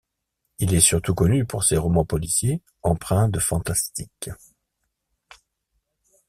Il est surtout connu pour ses romans policiers empreints de fantastique.